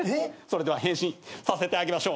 それでは変身させてあげましょう。